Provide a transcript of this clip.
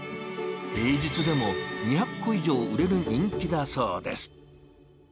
平日でも２００個以上売れる人気だそうです。